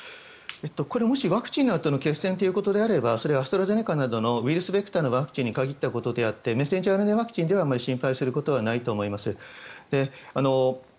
これはもしワクチンのあとの血栓ということであればそれはアストラゼネカなどのウイルスベクターのワクチンに限ったことではなくてメッセンジャーＲＮＡワクチンではあまり心配することではないと思います。